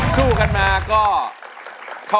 สู้กันมาก็